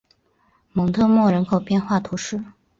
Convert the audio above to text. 蒙特莫人口变化图示